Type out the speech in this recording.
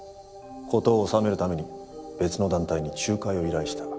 事を収めるために別の団体に仲介を依頼した。